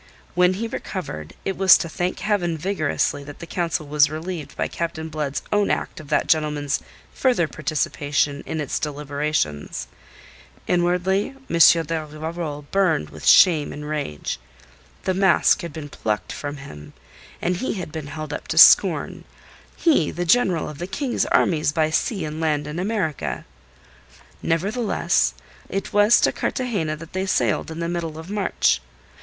When he recovered, it was to thank Heaven vigorously that the council was relieved by Captain Blood's own act of that gentleman's further participation in its deliberations. Inwardly M. de Rivarol burned with shame and rage. The mask had been plucked from him, and he had been held up to scorn he, the General of the King's Armies by Sea and Land in America. Nevertheless, it was to Cartagena that they sailed in the middle of March.